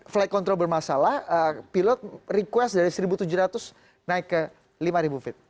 flight control bermasalah pilot request dari seribu tujuh ratus naik ke lima feet